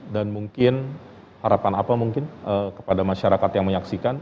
dan mungkin harapan apa mungkin kepada masyarakat yang menyaksikan